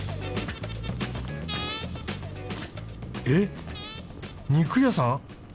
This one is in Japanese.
えっ肉屋さん？